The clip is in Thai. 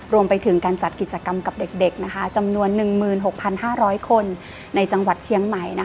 รวมไปถึงการจัดกิจกรรมกับเด็กจำนวน๑๖๕๐๐คนในจังหวัดเชียงใหม่